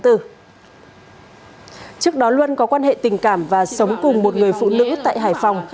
trước đó luân có quan hệ tình cảm và sống cùng một người phụ nữ tại hải phòng